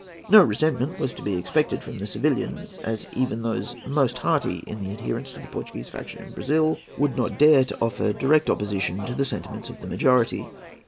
No resentment was to be expected from the civilians, as even those most hearty in their adherence to the Portuguese faction in Brazil would not dare to offer direct opposition to the sentiments of the majority.